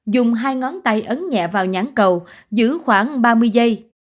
dùng hai ngón tay ấn nhẹ vào nhãn cầu giữ khoảng ba mươi giây